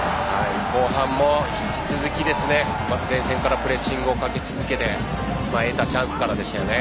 後半も引き続き前線からプレッシングをかけ続けて得たチャンスからでしたよね。